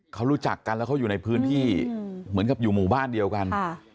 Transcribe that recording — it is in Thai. เขารู้จักกันแล้วเขาอยู่ในพื้นที่เหมือนกับอยู่หมู่บ้านเดียวกัน